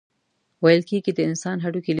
ویل کیږي د انسان هډوکي لیدل کیدی شي.